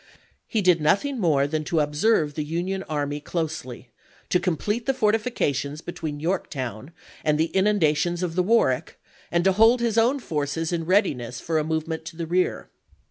^ He did nothing more than to observe the Union army closely, to complete the fortifications between Yorktown and the inunda tions of the Warwick, and to hold his own forces in readiness for a movement to the rear.